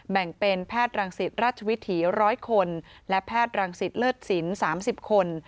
แบ่งเป็นแพทย์รังสิตราชวิถี๑๐๐คนและแพทย์รังสิตเลิศสิน๓๐คน